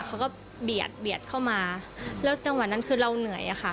เขาก็เบียดเบียดเข้ามาแล้วจังหวะนั้นคือเราเหนื่อยอะค่ะ